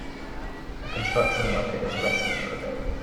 A construction worker is resting for a bit.